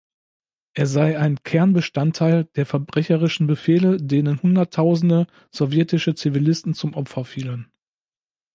Er sei ein „Kernbestandteil der verbrecherischen Befehle“, denen hunderttausende sowjetische Zivilisten zum Opfer fielen.